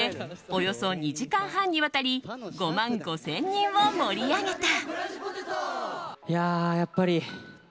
およそ２時間半にわたり５万５０００人を盛り上げた。